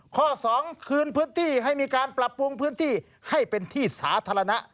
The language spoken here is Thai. ข้อ๒คืนพื้นที่ให้มีการปรับปรุงพื้นที่ให้เป็นที่สาธารณะ